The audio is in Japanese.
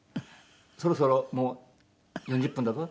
「そろそろもう４０分だぞ。